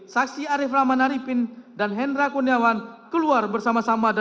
saksi endra kuniawan dan endra kuniawan keluar bersama sama